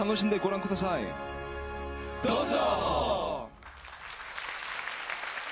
どうぞ。